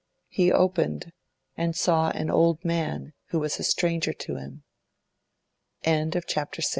He opened, and saw an old man who was a stranger to him. CHAPTER VII MRS.